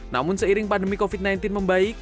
namun seiring pandemi covid sembilan belas membaik